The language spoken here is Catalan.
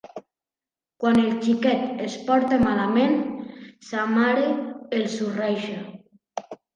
Quan el xiquet es porta malament, sa mare el surreja.